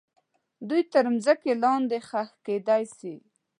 دوی تر مځکې لاندې ښخ کیدای سي.